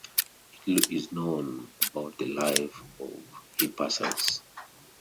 Little is known about the life of Hippasus.